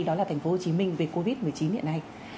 đó là thành phố hồ chí minh về covid một mươi chín hiện nay